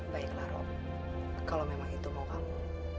baiklah rob kalau memang itu mau kamu